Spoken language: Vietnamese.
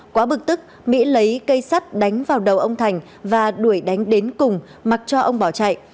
quá bực tức mỹ lấy cây sắt đánh vào đầu ông thành và đuổi đánh đến cùng mặc cho ông bỏ chạy